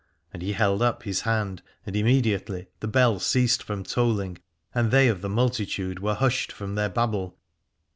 And he held up his hand, and immediately the bell ceased from tolling, and they of the multitude were hushed from their babble.